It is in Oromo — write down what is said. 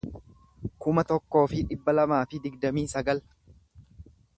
kuma tokkoo fi dhibba lamaa fi digdamii sagal